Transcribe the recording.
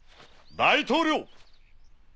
大統領！